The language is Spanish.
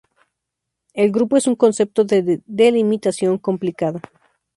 El grupo es un concepto de delimitación complicada.